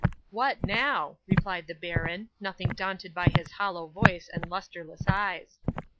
'"What now!" replied the baron, nothing daunted by his hollow voice and lustreless eyes.